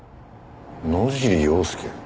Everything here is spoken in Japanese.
「野尻要介」？